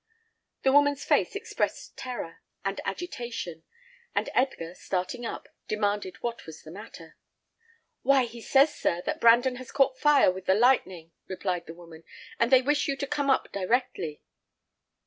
The woman's face expressed terror and agitation; and Edgar, starting up, demanded what was the matter. "Why, he says, sir, that Brandon has caught fire with the lightning," replied the woman, "and they wish you to come up directly."